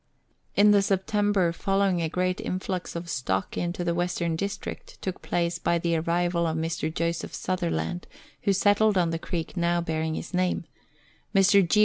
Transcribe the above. In the September following a great influx of stock into the Western District took place by the arrival of Mr. Joseph Sutherland, who settled on the creek now bearing his name ; Mr. G.